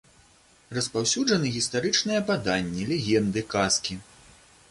Распаўсюджаны гістарычныя паданні, легенды, казкі.